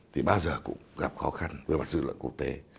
thì bao giờ cũng gặp khó khăn về mặt dư luận quốc tế